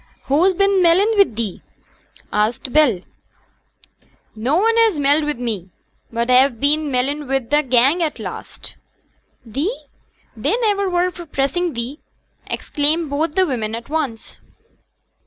'Who's been melling wi' thee?' asked Bell. 'No one has melled wi' me; but a've been mellin' wi' t' gang at last.' 'Thee: they niver were for pressing thee!' exclaimed both the women at once.